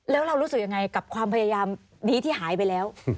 แล้วเรารู้สึกยังไงกับความพยายามนี้ที่หายไปแล้ว